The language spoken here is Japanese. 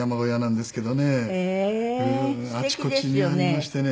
あちこちにありましてね。